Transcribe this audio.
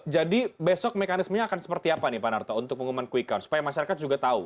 jadi besok mekanismenya akan seperti apa nih pak narto untuk pengumuman quick count supaya masyarakat juga tahu